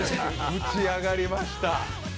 ぶち上がりました。